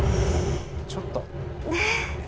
ちょっと。ねぇ。